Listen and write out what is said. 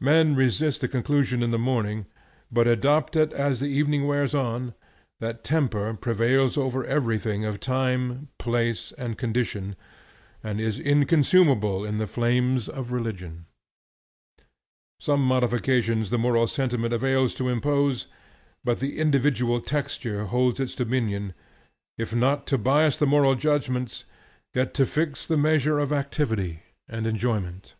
Men resist the conclusion in the morning, but adopt it as the evening wears on, that temper prevails over everything of time, place, and condition, and is inconsumable in the flames of religion. Some modifications the moral sentiment avails to impose, but the individual texture holds its dominion, if not to bias the moral judgments, yet to fix the measure of activity and of enjoyment.